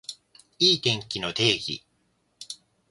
いい天気の定義